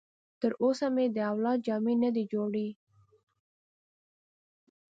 تر اوسه مې د اولاد جامې نه دي جوړې.